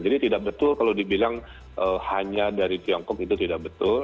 jadi tidak betul kalau dibilang hanya dari tiongkok itu tidak betul